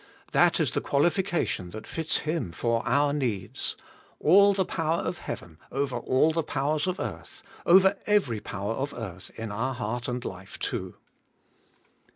That is the qualification that fits Him for our needs: All the power of heaven over all the powers of earth, over every power of earth in our heart and life too.